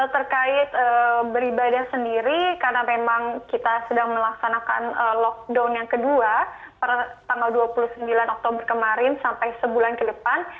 terkait beribadah sendiri karena memang kita sedang melaksanakan lockdown yang kedua per tanggal dua puluh sembilan oktober kemarin sampai sebulan ke depan